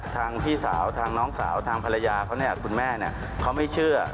พี่สาวทางน้องสาวทางภรรยาเขาเนี่ยคุณแม่เขาไม่เชื่อ